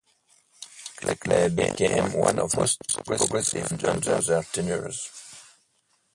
The club became one of the most progressive under their tenures.